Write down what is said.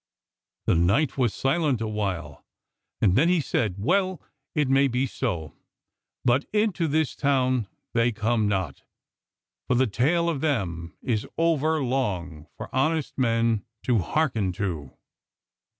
The knight was silent a while and then he said: "Well, it may be so; but into this town they come not, for the tale of them is over long for honest men to hearken to."